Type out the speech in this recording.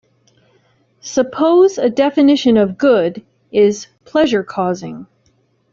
Suppose a definition of "good" is "pleasure-causing.